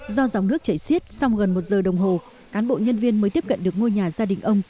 do dòng nước chảy xiết sau gần một giờ đồng hồ cán bộ nhân viên mới tiếp cận được ngôi nhà gia đình ông